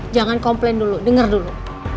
jangan komplain dulu dengar dulu